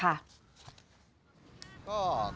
ปรึกษาหรือกลับไปคิดกันก่อนค่ะ